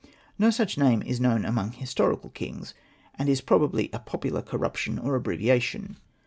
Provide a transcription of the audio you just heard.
No such name is known among his torical kings ; and it is probably a popular corruption or abbreviation.